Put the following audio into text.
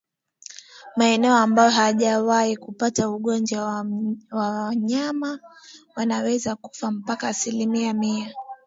Maeneo ambayo ayajawahi kupata ugonjwa wanyama wanaweza kufa mpaka asilimia mia